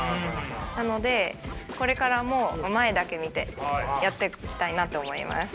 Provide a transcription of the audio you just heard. なのでこれからも前だけ見てやっていきたいなと思います。